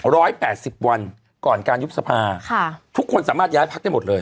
แปดสิบวันก่อนการยุบสภาค่ะทุกคนสามารถย้ายพักได้หมดเลย